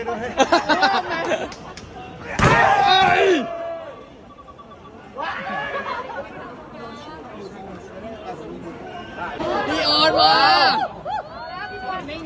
รับทราบ